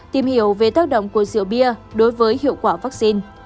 tìm hiểu về tác động của rượu bia đối với hiệu quả vaccine